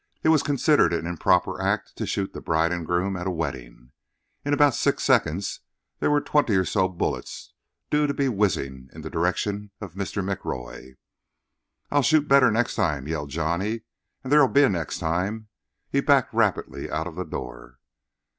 It was considered an improper act to shoot the bride and groom at a wedding. In about six seconds there were twenty or so bullets due to be whizzing in the direction of Mr. McRoy. "I'll shoot better next time," yelled Johnny; "and there'll be a next time." He backed rapidly out the door.